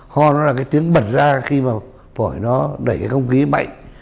ho nó là cái tiếng bật ra khi mà bởi nó đẩy cái không khí mạnh